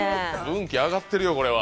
運気上がってるよ、これは。